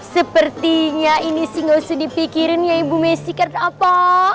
sepertinya ini sih nggak usah dipikirin ya ibu messi karena apa